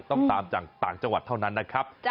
ต้องตามจากต่างจังหวัดเท่านั้นนะครับ